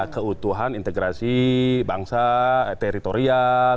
keutuhan integrasi bangsa teritorial